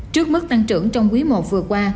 trước mức tăng trưởng trong quý i vừa qua